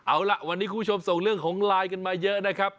เอาล่ะวันนี้คุณผู้ชมส่งเรื่องของไลน์กันมาเยอะนะครับ